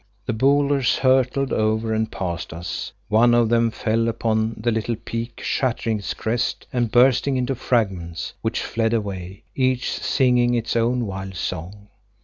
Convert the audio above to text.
The boulders hurtled over and past us; one of them fell full upon the little peak, shattering its crest and bursting into fragments, which fled away, each singing its own wild song.